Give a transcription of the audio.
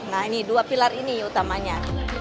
nah ini dua pilar ini utamanya